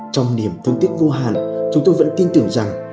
trong niềm thương tiếc vô hạn chúng tôi vẫn tin tưởng rằng